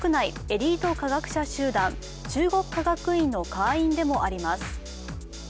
エリート科学者集団中国科学院の会員でもあります。